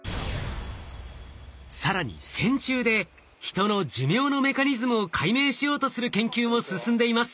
更に線虫でヒトの寿命のメカニズムを解明しようとする研究も進んでいます。